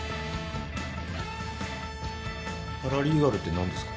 パラリーガルって何ですか？